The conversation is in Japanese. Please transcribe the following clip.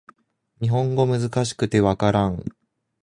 日本語難しくて分からん